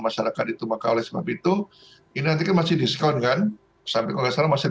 masyarakat itu maka oleh sebab itu ini nanti masih diskon kan sampai kalau nggak salah masih